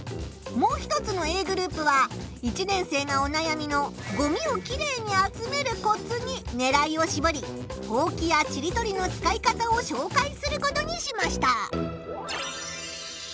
もう一つのＡグループは１年生がおなやみの「ごみをキレイに集めるコツ」にねらいをしぼりほうきやちりとりの使い方をしょうかいすることにしました。